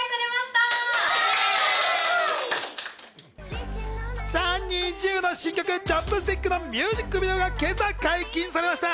ＮｉｚｉＵの新曲『Ｃｈｏｐｓｔｉｃｋ』のミュージックビデオが今朝、解禁されました。